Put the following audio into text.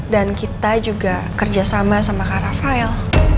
dan kita juga kerjasama sama kak rafael